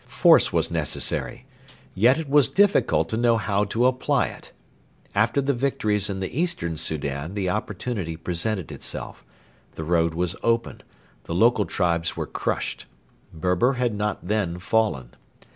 Force was necessary. Yet it was difficult to know how to apply it. After the victories in the Eastern Soudan the opportunity presented itself. The road was open. The local tribes were crushed. Berber had not then fallen.